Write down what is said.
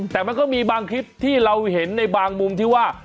แต่มันก็มีบางคลิปที่เราเห็นในบางมุมที่ว่า